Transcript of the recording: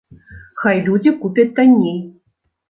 Хай людзі купяць танней.